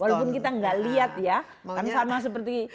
which is kita lakukan di